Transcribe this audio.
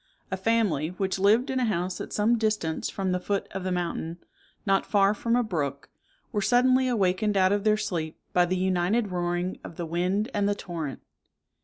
A family, which lived in a house at some distance from the foot of the mountain, not far from a brook, were suddenly awakened out of their sleep by the united roaring of the wind and the torrent.